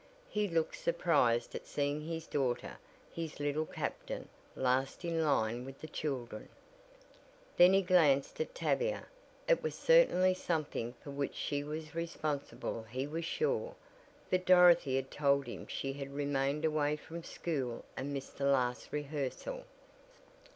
He looked surprised at seeing his daughter his Little Captain, last in line with the children. Then he glanced at Tavia. It was certainly something for which she was responsible he was sure, for Dorothy had told him she had remained away from school and missed the last rehearsal.